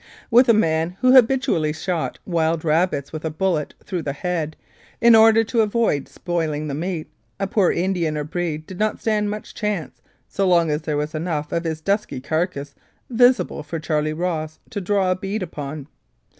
With a man who habitually shot wild rabbits with a bullet through the head, in order to avoid spoiling the meat, a poor Indian or "Breed" did not stand much chance so long as there was enough of his dusky carcass visible for Charlie Ross to draw a bead upon.